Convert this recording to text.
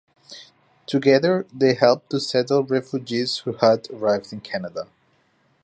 Together they helped to settle refugees who had arrived in Canada.